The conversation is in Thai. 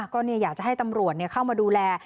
ก็อยากจะให้ตำรวจเข้ามาดูแล